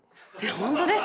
本当ですか。